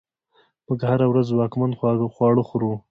موږ هره ورځ ځواکمن خواړه خورو.